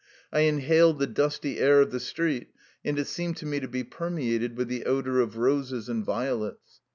I inhaled the dusty air of the street, and it seemed to me to be permeated with the odor of roses and violets.